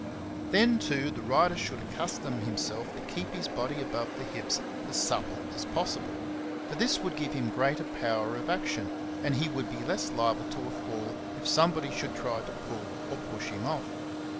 Then, too, the rider should accustom himself to keep his body above the hips as supple as possible ; for this would give him greater power of action, and he would be less liable to a fall if somebody should try to pull or push him off.